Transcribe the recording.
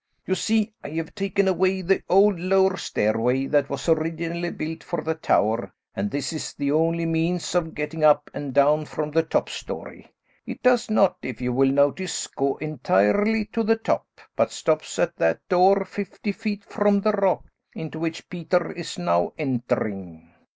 You see, I have taken away the old lower stairway that was originally built for the tower, and this is the only means of getting up and down from the top story. It does not, if you will notice, go entirely to the top, but stops at that door, fifty feet from the rock, into which Peter is now entering."